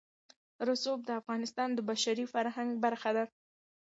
رسوب د افغانستان د بشري فرهنګ برخه ده.